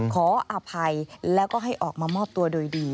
ขออภัยแล้วก็ให้ออกมามอบตัวโดยดี